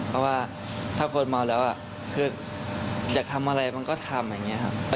เพราะว่าถ้าคนเมาแล้วคืออยากทำอะไรมันก็ทำอย่างนี้ครับ